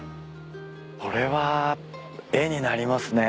これは絵になりますね。